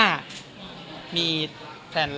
แต่สมัยนี้ไม่ใช่อย่างนั้น